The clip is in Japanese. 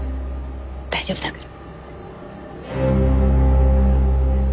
大丈夫だから。